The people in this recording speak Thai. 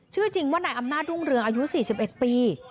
ชื่อจริงว่านายอำนาจรุ่งเรืองอายุ๔๑ปี